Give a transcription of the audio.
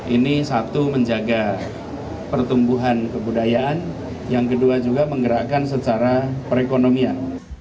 ini satu menjaga pertumbuhan kebudayaan yang kedua juga menggerakkan secara perekonomian